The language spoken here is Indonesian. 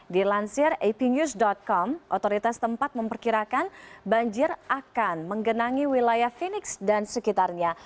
dilansir ap news com otoritas tempat memperkirakan banjir akan menggenangi wilayah phoenix dan sekitarnya